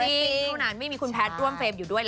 เท่านั้นไม่มีคุณแพทรร่วมเฟลป์อยู่ด้วย